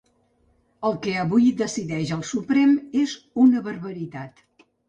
El que avui decideix el Suprem és una barbaritat.